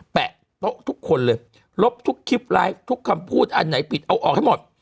แปะโต๊ะทุกคนเลยลบทุกคลิปไลฟ์ทุกคำพูดอันไหนผิดเอาออกให้หมด